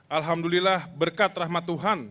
alhamdulillah berkat rahmat tuhan